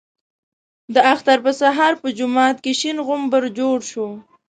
د اختر په سهار په جومات کې شین غومبر جوړ شو.